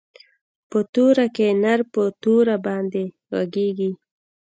په توره کښې نر په توره باندې ږغېږي.